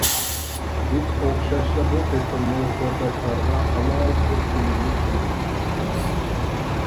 بىز ئوخشاشلا بۇ قېتىممۇ تورداشلارغا ئالاھىدە بىر فىلىمنى سۇندۇق.